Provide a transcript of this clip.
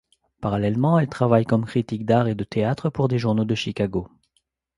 Parallèlement, elle travaille comme critique d'art et de théâtre pour des journaux de Chicago.